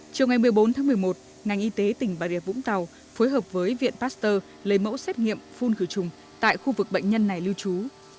chiều ngày một mươi bốn tháng một mươi một ngành y tế tỉnh bà rịa vũng tàu phối hợp với viện pasteur lấy mẫu xét nghiệm phun khử trùng tại khu vực bệnh nhân này lưu trú